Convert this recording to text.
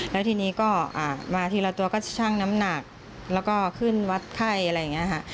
แล้วทีนี้ก็มาทีละตัวก็ชั่งน้ำหนักแล้วก็ขึ้นวัดไข้อะไรอย่างนี้ค่ะ